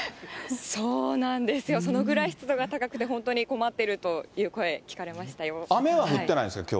そうなんですよ、そのぐらい湿度が高くて本当に困っているという声、聞かれましたよ。